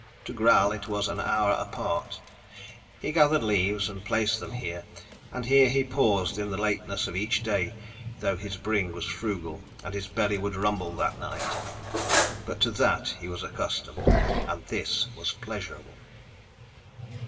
To Gral it was an hour apart. He gathered leaves and placed them here, and here he paused in the lateness of each day though his bring was frugal and his belly would rumble that night. But to that he was accustomed, and this was pleasurable.